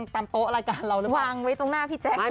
ทำโต๊ะรายการเราหรือเปล่า